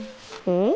うん？